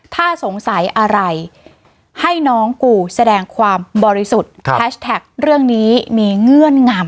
ถ้าสงสัยอะไรให้น้องกูแสดงความบริสุทธิ์แฮชแท็กเรื่องนี้มีเงื่อนงาม